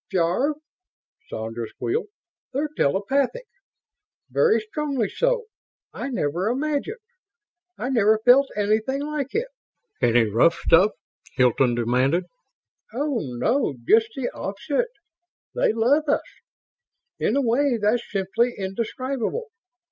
"Jarve!" Sandra squealed. "They're telepathic. Very strongly so! I never imagined I never felt anything like it!" "Any rough stuff?" Hilton demanded. "Oh, no. Just the opposite. They love us ... in a way that's simply indescribable.